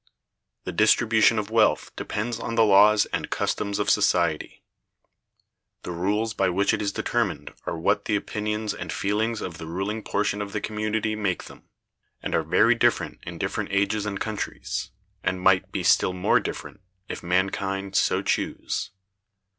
The Distribution of Wealth depends on the laws and customs of society. The rules by which it is determined are what the opinions and feelings of the ruling portion of the community make them, and are very different in different ages and countries; and might be still more different, if mankind so chose.